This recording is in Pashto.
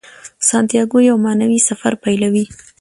سانتیاګو یو معنوي سفر پیلوي.